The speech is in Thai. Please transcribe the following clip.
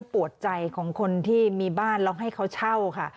ปวดใจของคนที่มีบ้านแล้วให้เขาเช่าค่ะ